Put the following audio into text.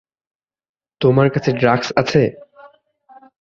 তোমার কাছে ড্রাগস আছে?